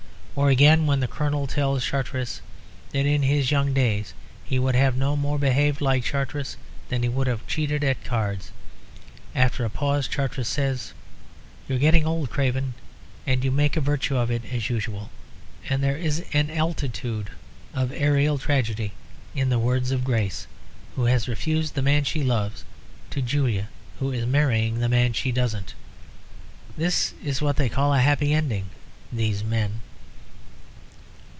Or again, when the colonel tells Chartaris that "in his young days" he would have no more behaved like Chartaris than he would have cheated at cards. After a pause Chartaris says, "You're getting old, Craven, and you make a virtue of it as usual." And there is an altitude of aerial tragedy in the words of Grace, who has refused the man she loves, to Julia, who is marrying the man she doesn't, "This is what they call a happy ending these men."